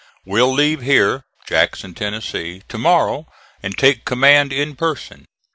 Will leave here [Jackson, Tennessee] to morrow, and take command in person.